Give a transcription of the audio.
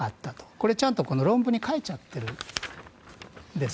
これ、ちゃんとこの論文に書いちゃってるんです。